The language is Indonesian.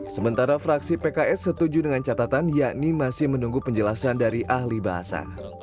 sementara fraksi pks setuju dengan catatan yakni masih menunggu penjelasan dari ahli bahasa